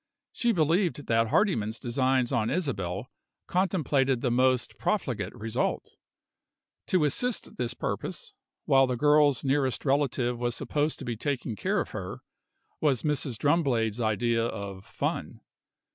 She believed that Hardyman's designs on Isabel contemplated the most profligate result. To assist this purpose, while the girl's nearest relative was supposed to be taking care of her, was Mrs. Drumblade's idea of "fun."